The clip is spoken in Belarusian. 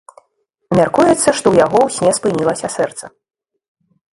Мяркуецца, што ў яго ў сне спынілася сэрца.